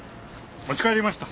持ち帰りました。